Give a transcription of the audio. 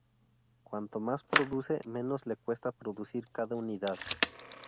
Cuanto más produce, menos le cuesta producir cada unidad.